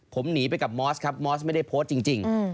ผมหนีไปกับมอสครับมอสไม่ได้โพสต์จริง